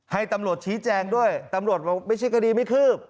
ให้ตำรวจชี้แจงด้วยตำรวจบอกไม่ใช่คดีไม่คืบ